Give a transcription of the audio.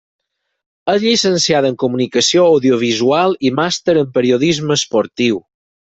És llicenciada en Comunicació Audiovisual i màster en Periodisme esportiu.